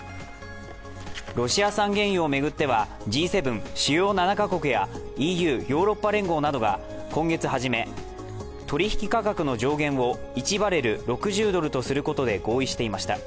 ロシア産原油を巡ってはＧ７＝主要７か国やＥＵ＝ヨーロッパ連合などが今月初め、取引価格の上限を１バレル＝６０ドルとすることで合意していました。